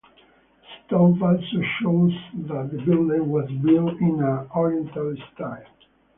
The stove also shows that the building was built in an oriental style.